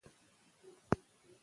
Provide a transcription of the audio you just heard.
پېښور د هغه لپاره ډیر مهم و.